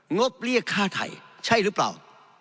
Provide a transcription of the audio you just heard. บเรียกค่าไทยใช่หรือเปล่า